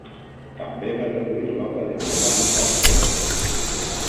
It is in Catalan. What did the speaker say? També va traduir l'obra de Giovanni Pascoli.